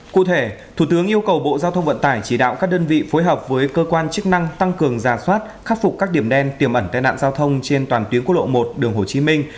cụ thể thủ tướng yêu cầu bộ giao thông vận tải chỉ đạo các đơn vị phối hợp với cơ quan chức năng tăng cường giả soát khắc phục các điểm đen tiềm ẩn tai nạn giao thông trên toàn tuyến quốc lộ một đường hồ chí minh